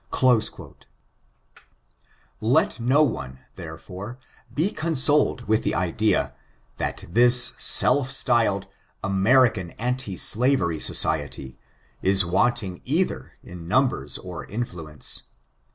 Let uo one, therefore, be consoled with the idea, that thio Belfnstyled " American Anti Slavery Society," is wanting either in numbers or influence.